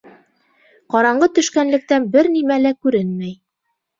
Ҡараңғы төшкәнлектән бер нимә лә күренмәй.